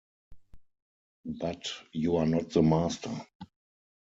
But you are not the Master.